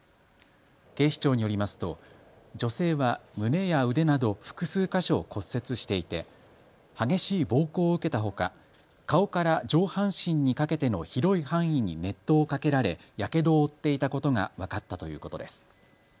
警視庁によりますと女性は胸や腕など複数か所を骨折していて激しい暴行を受けたほか顔から上半身にかけての広い範囲に熱湯をかけられ、やけどを負っていたことが分かったということです。